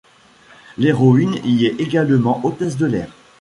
L’héroïne y est également hôtesse de l'air.